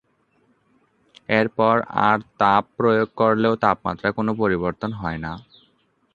এর পর আর তাপ প্রয়োগ করলেও তাপমাত্রার কোন পরিবর্তন হয়না।